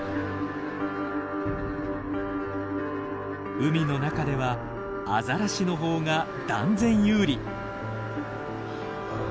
海の中ではアザラシの方が断然有利。